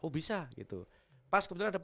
oh bisa gitu pas kebetulan ada